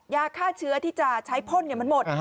ยาฆ่าเชื้อที่จะใช้พ่นมันหมด